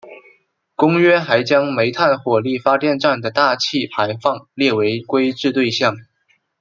公约还将煤炭火力发电站的大气排放列为规制对象。